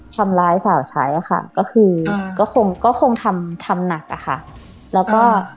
ทำร้ายสาวใช้อะค่ะก็คือก็คงก็คงทำทำหนักอะค่ะแล้วก็